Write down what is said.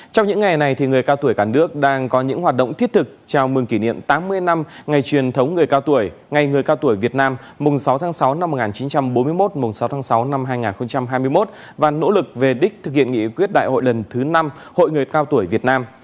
trong những ngày này người cao tuổi cả nước đang có những hoạt động thiết thực chào mừng kỷ niệm tám mươi năm ngày truyền thống người cao tuổi ngày người cao tuổi việt nam mùng sáu tháng sáu năm một nghìn chín trăm bốn mươi một mùng sáu tháng sáu năm hai nghìn hai mươi một và nỗ lực về đích thực hiện nghị quyết đại hội lần thứ năm hội người cao tuổi việt nam